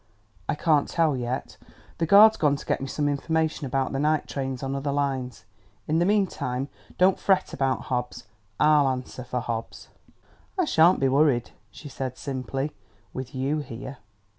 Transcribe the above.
"I can't tell yet. The guard's gone to get me some information about the night trains on other lines. In the meantime, don't fret about Hobbs; I'll answer for Hobbs." "I shan't be worried," she said simply, "with you here...."